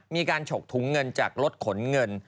ฉกถุงเงินจากรถขนเงิน